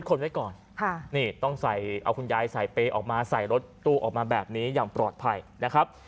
ตู้ออกมาแบบนี้อย่างปลอดภัยนะครับ